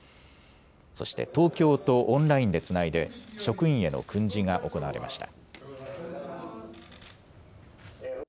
そして東京とオンラインでつないで職員への訓示が行われました。